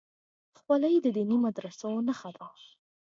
خولۍ د دیني مدرسو نښه ده.